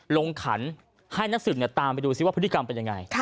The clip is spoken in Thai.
ลงขันให้นักสืบเนี่ยตามไปดูซิว่าพฤติกรรมเป็นยังไง